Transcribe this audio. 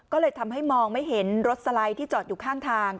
ก็เลยทำให้มองไม่เห็นรถสไลด์ที่จอดอยู่ข้างทาง